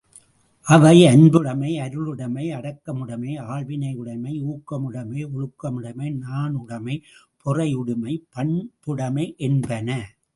அவை அன்புடைமை, அருளுடைமை, அடக்கமுடைமை, ஆள்வினையுடைமை, ஊக்கமுடைமை, ஒழுக்கமுடைமை, நாணுடைமை, பொறையுடைமை, பண்புடைமை என்பன.